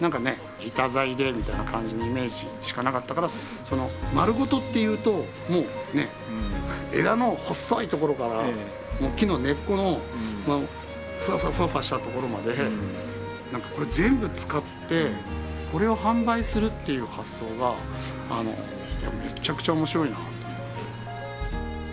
板材でみたいな感じのイメージしかなかったからまるごとっていうともうね枝の細いところから木の根っこのフワフワフワフワしたところまでこれ全部使ってこれを販売するっていう発想がめちゃくちゃ面白いなと思って。